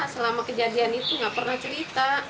selama kejadian itu nggak pernah cerita